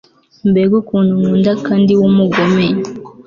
mbega ukuntu nkunda kandi w'umugome